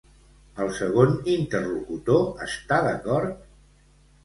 El segon interlocutor està d'acord?